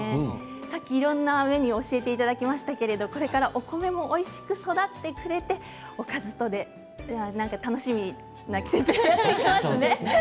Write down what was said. さっき、いろんなメニューを教えていただきましたけれどこれからお米もおいしく育ってくれておかずとなんか楽しみな季節がやって来そうですね。